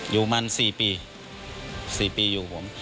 อยู่มัน๔ปี๔ปีอยู่กับผม